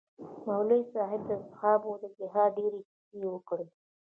مولوي صاحب د اصحابو د جهاد ډېرې کيسې وکړې.